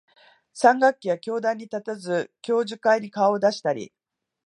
三学期は教壇に立たず、教授会に顔を出したり、